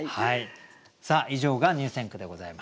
さあ以上が入選句でございました。